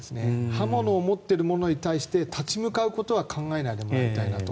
刃物を持っている者に対して立ち向かうことは考えないでもらいたいなと。